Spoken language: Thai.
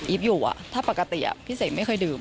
อยู่ถ้าปกติพี่เสกไม่เคยดื่ม